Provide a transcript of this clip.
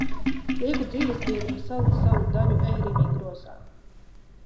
Lieku dzīvesbiedram salikt savu daļu e-rimi grozā.